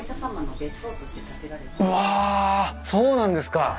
うわそうなんですか。